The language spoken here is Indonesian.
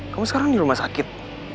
kamu sekarang di rumah sakit